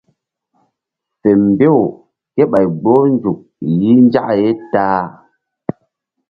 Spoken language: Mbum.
Fe mbew kéɓay gboh nzuk gel yih nzak ye ta-a.